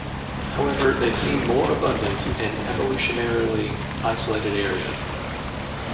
However, they seem more abundant in evolutionarily isolated areas.